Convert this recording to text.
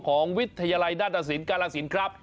ของวิทยาลัยนาศสินกาลสินครับ